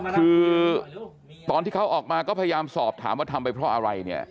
คือตอนที่เขาออกมาก็พยายามสอบถามว่าทำไปเพราะอะไรเนี่ย